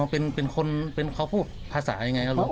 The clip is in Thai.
เป็นคนเป็นเขาพูดภาษาอย่างไรครับลุง